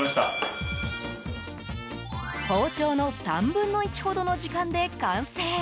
包丁の３分の１ほどの時間で完成！